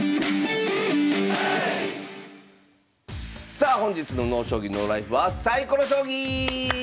さあ本日の「ＮＯ将棋ＮＯＬＩＦＥ」は「サイコロ将棋」！